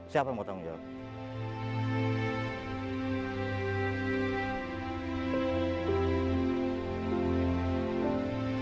siapa mau tanggung jawab